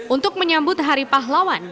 untuk menyambut hari pahlawan